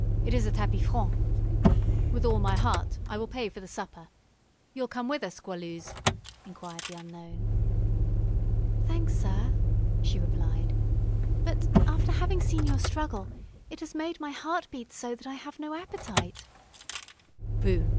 It is a tapis franc." "With all my heart. I will pay for the supper. You'll come with us, Goualeuse?" inquired the unknown. "Thanks, sir," she replied, "but, after having seen your struggle, it has made my heart beat so that I have no appetite." "Pooh!